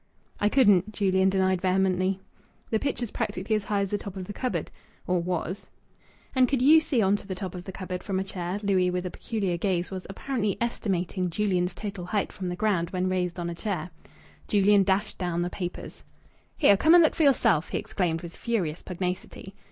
"I couldn't," Julian denied vehemently. "The picture's practically as high as the top of the cupboard or was." "And could you see on to the top of the cupboard from a chair?" Louis, with a peculiar gaze, was apparently estimating Julian's total height from the ground when raised on a chair. Julian dashed down the papers. "Here! Come and look for yourself!" he exclaimed with furious pugnacity.